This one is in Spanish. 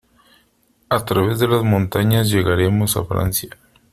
A través de las montañas llegaremos a Francia.